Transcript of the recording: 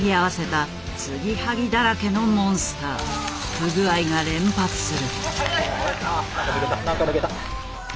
不具合が連発する。